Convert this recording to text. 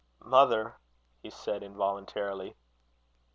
"Mother!" he said, involuntarily.